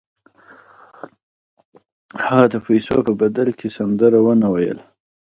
هغه د پیسو په بدل کې سندره ونه ویله